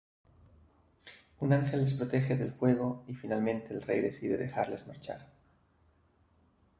Un ángel les protege del fuego y finalmente el rey decide dejarles marchar.